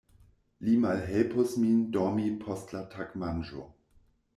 Li malhelpos min dormi post la tagmanĝo.